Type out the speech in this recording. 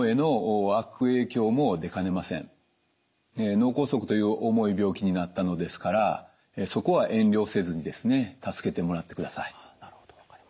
脳梗塞という重い病気になったのですからそこは遠慮せずにですね助けてもらってください。